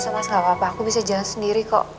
mas gapapa aku bisa jalan sendiri kok